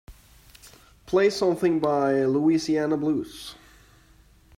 Play something by Louisiana Blues